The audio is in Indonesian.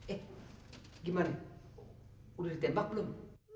eh gimana udah ditembak belum